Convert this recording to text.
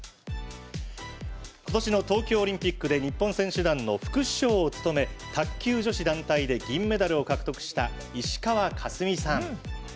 今年の東京オリンピックで日本選手団の副主将を務め卓球女子団体で銀メダルを獲得した石川佳純さん。